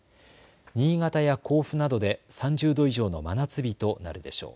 新潟や甲府などで３０度以上の真夏日となるでしょう。